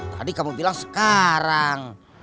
tadi kamu bilang sekarang